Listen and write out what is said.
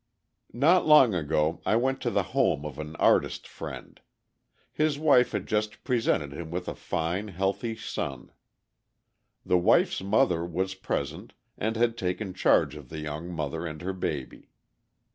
Not long ago I went to the home of an artist friend. His wife had just presented him with a fine, healthy son. The wife's mother was present, and had taken charge of the young mother and her baby.